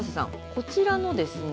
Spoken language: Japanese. こちらのですね